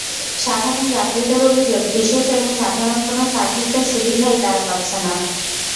সাধারণ যাত্রীদের অভিযোগ, বিশেষ এবং সাধারণ কোনো সার্ভিসের সুবিধাই তারা পাচ্ছে না।